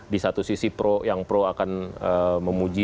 di satu sisi pro yang pro akan memuji